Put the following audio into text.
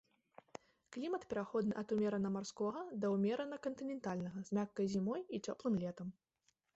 Клімат пераходны ад умерана марскога да ўмерана кантынентальнага, з мяккай зімой і цёплым летам.